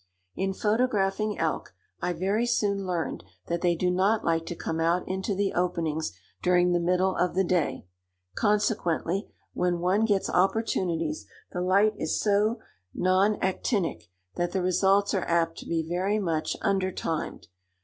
In photographing elk, I very soon learned that they do not like to come out into the openings during the middle of the day; consequently, when one gets opportunities, the light is so non actinic that the results are apt to be very much undertimed.